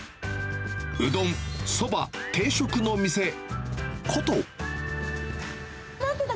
うどん、そば、定食の店、古都。